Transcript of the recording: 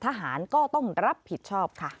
ทหารก็ต้องรับผิดชอบค่ะ